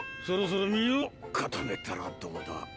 そろそろ身をかためたらどうだ。